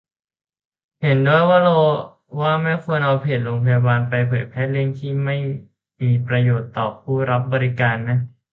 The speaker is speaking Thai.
เห็นด้วยว่าไม่ควรเอาเพจโรงพยาบาล ไปเผยแพร่เรื่องที่ไม่มีประโยชน์ต่อผู้รับบริการนะ